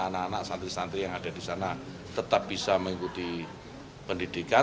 anak anak santri santri yang ada di sana tetap bisa mengikuti pendidikan